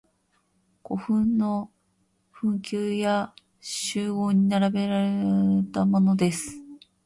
古墳の墳丘や周濠に並べられたものです。